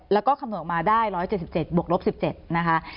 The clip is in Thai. แล้วก็คำนวณออกมาได้๑๗๗บวกลบ๑๗นะคะ